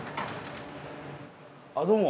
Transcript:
あどうも。